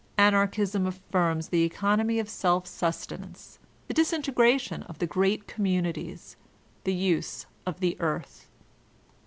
Anarchism affirms the economy of self sustenance, the disintegration of the great communities, the use of the earth.